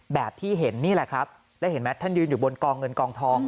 แบบที่เห็นนี่แหละครับแล้วเห็นไหมท่านยืนอยู่บนกองเงินกองทอง